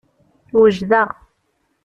Wejdeɣ.